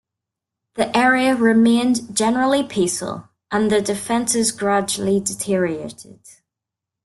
The area remained generally peaceful, and the defenses gradually deteriorated.